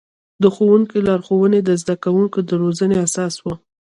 د ښوونکي لارښوونې د زده کوونکو د روزنې اساس و.